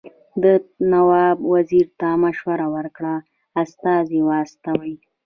ده نواب وزیر ته مشوره ورکړه استازي واستوي.